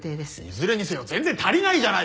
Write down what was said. いずれにせよ全然足りないじゃないですか！